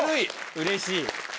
うれしい。